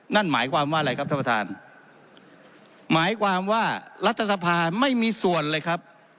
นั่นหมายความว่าอะไรครับท่านประธานหมายความว่ารัฐสภาไม่มีส่วนเลยครับ